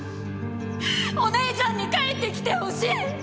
お姉ちゃんに帰ってきてほしい。